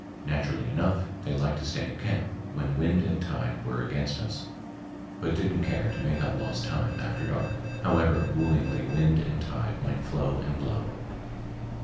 Naturally enough, they liked to stay in camp when wind and tide were against us, but didn't care to make up lost time after dark however wooingly wind and tide might flow and blow.